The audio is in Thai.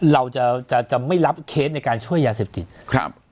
เราจะจะไม่รับเคสในการช่วยยาเสพติดครับ